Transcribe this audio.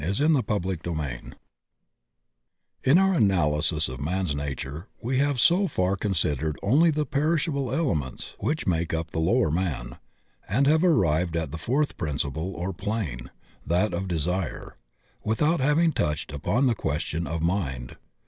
i CHAPTER VII IN our analysis of man's nature we have so far con sidered only the perishable elements which make up the lower man, and have arrived at the fourth principle or plane — that of desire — ^without having touched upon the question of Mind.